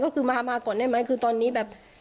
ก็คือมาก่อนได้ไหมคือตอนนี้แบบ